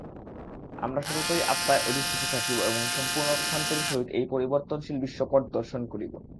আমরা সততই আত্মায় অধিষ্ঠিত থাকিব এবং সম্পূর্ণ প্রশান্তির সহিত এই পরিবর্তনশীল বিশ্বপট দর্শন করিব।